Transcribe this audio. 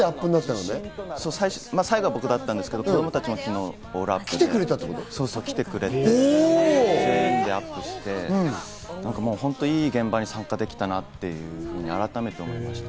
僕が最後だったんですけど、子供たちがみんな来てくれて、全員でアップして本当にいい現場に参加できたなっていうことを改めて思いました。